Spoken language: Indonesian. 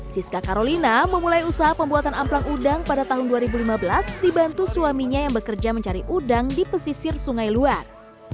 siska karolina memulai usaha pembuatan amplang udang pada tahun dua ribu lima belas dibantu suaminya yang bekerja mencari udang di pesisir sungai luar